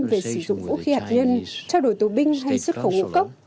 về sử dụng vũ khí hạt nhân trao đổi tù binh hay xuất khẩu ngũ cốc